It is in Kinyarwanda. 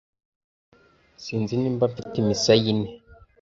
sinzi niba mfite imisaya ine